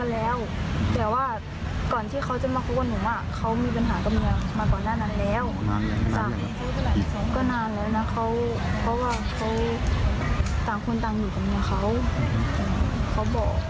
ตัวนายวัญชัยผู้บาดเจ็บก็ยังไม่ได้แจ้งความดำเนินคดีอะไรนะคะ